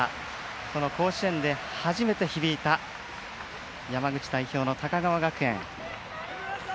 この甲子園で初めて響いた山口代表の高川学園。